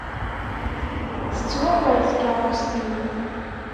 Tettwaker tkeṛṛust-iw.